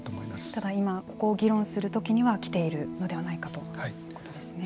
ただ、今、ここを議論するときには来ているのではないかということですね。